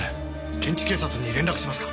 現地警察に連絡しますか？